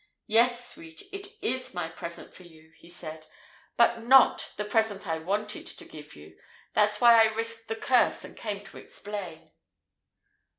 "Yes, sweet, it is my present for you," he said. "But not the present I wanted to give you. That's why I risked the 'curse' and came to explain."